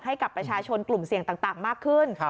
ให้กับประชาชนกลุ่มเสี่ยงต่างมากขึ้น